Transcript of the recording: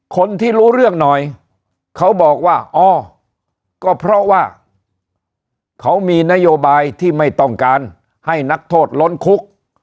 คนที่รู้เรื่องหน่อยเขาบอกว่าอ๋อก็เพราะว่าเขามีนโยบายที่ไม่ต้องการให้นักโทษล้นคุก